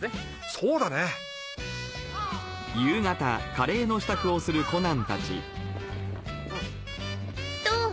そうだね！どお？